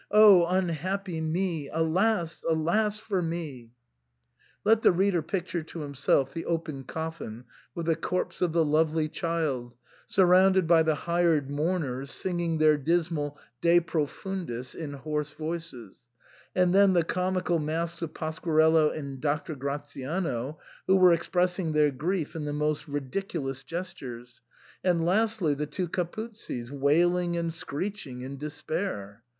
O unhappy me ! Alas ! Alas for me !" Let the reader picture to himself the open coffin with the corpse of the lovely child, surrounded by the hired mourners singing their dismal Z>e profundis in hoarse voices, and then the comical masks of Pasqua rello and Dr. Gratiano, who were expressing their grief in the most ridiculous gestures, and lastly the two Capuzzis, wailing and screeching in despair.